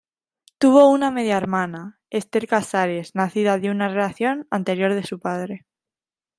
Tuvo una media hermana, Esther Casares, nacida de una relación anterior de su padre.